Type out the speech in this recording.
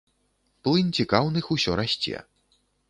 Плынь цікаўных усё расце.